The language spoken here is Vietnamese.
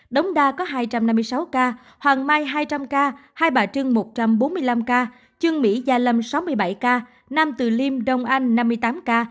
đống đa có hai trăm năm mươi sáu ca hoàng mai hai trăm linh ca hai bà trưng một trăm bốn mươi năm ca trương mỹ gia lâm sáu mươi bảy ca nam từ liêm đông anh năm mươi tám ca